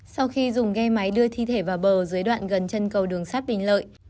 sau khi dùng ghe máy đưa thi thể vào bờ dưới đoạn gần chân cầu đường sắt bình lợi